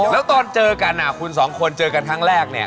แล้วตอนเจอกันคุณสองคนเจอกันครั้งแรกเนี่ย